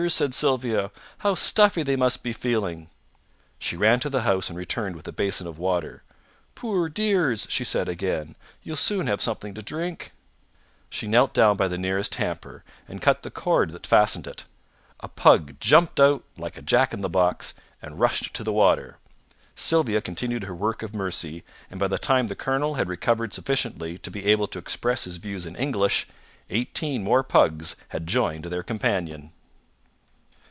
said Sylvia. "How stuffy they must be feeling!" She ran to the house, and returned with a basin of water. "Poor dears!" she said again. "You'll soon have something to drink." She knelt down by the nearest hamper, and cut the cord that fastened it. A pug jumped out like a jack in the box, and rushed to the water. Sylvia continued her work of mercy, and by the time the colonel had recovered sufficiently to be able to express his views in English, eighteen more pugs had joined their companion.